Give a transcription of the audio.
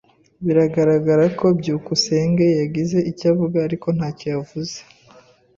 Biragaragara ko byukusenge yagize icyo avuga, ariko ntacyo yavuze.